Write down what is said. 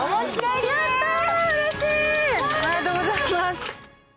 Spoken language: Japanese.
ありがとうございます。